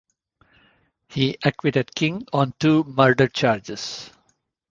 He acquitted King on two murder charges.